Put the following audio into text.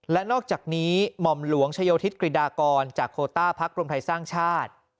และนอกจากนี้หม่อมหลวงชโยธิศกริดากรจากโคต้าพักรวมไทยสร้างชาติ